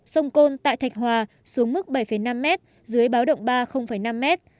sông côn tại thạch hòa xuống mức bảy năm mét dưới báo động ba năm mét